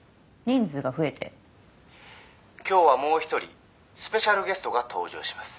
「今日はもう一人スペシャルゲストが登場します」